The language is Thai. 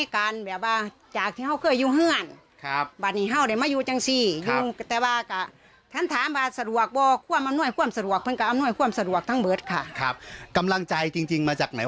ความสะดวกทั้งเบิร์ดค่ะครับกำลังใจจริงจริงมาจากไหน